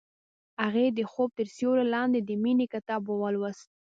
هغې د خوب تر سیوري لاندې د مینې کتاب ولوست.